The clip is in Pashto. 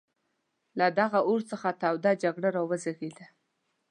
له دغه اور څخه توده جګړه را وزېږېده.